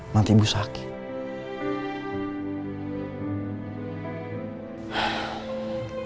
nanti ibu sakit